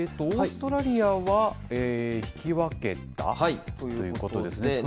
オーストラリアは引き分けたということですね。